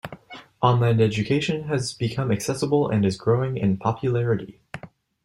Online Education has become accessible and is growing in popularity.